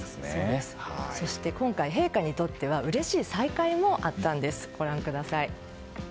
そして今回、陛下にとってはうれしい再会もあったんです。